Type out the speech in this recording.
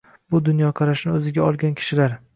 Bu dunyoqarashni o‘ziga olgan kishilar